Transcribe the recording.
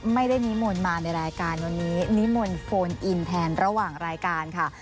นิมนต์มาในรายการวันนี้นิมนต์โฟนอินแทนระหว่างรายการค่ะ